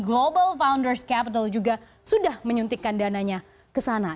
global founders capital juga sudah menyuntikkan dananya ke sana